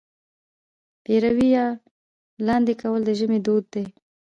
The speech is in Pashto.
پېروی یا لاندی کول د ژمي دود دی.